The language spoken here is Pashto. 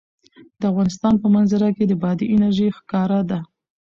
د افغانستان په منظره کې بادي انرژي ښکاره ده.